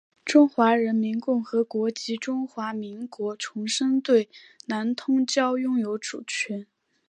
中华人民共和国及中华民国重申对南通礁拥有主权。